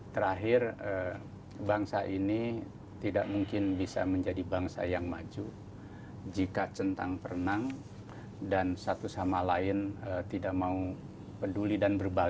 terakhir bangsa ini tidak mungkin bisa menjadi bangsa yang maju jika centang perenang dan satu sama lain tidak mau peduli dan berbagi